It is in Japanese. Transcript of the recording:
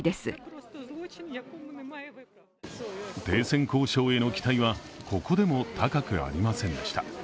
停戦交渉への期待はここでも高くありませんでした。